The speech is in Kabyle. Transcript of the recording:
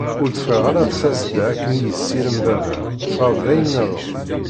Ur d-ffiɣeɣ ara d tasedda akken i yessirem baba, ffɣeɣ-d d ayen-niḍen.